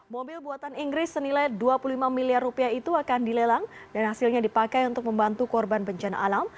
mobil buatan inggris senilai dua puluh lima miliar rupiah itu akan dilelang dan hasilnya dipakai untuk membantu korban bencana alam